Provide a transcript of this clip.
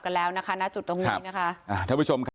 แล้วนะคะณจุดตรงนี้นะคะอ่าท่านผู้ชมครับ